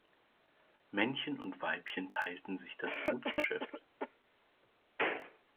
Männchen und Weibchen teilten sich das Brutgeschäft.